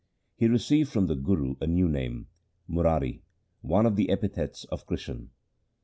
He received from the Guru a new name, Murari, one of the epithets of Krishan.